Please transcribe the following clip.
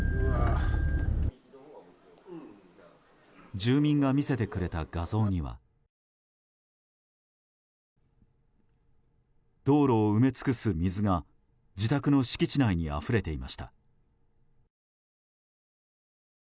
住民が見せてくれた画像には道路を埋め尽くす水が自宅の敷地内にあふれていました。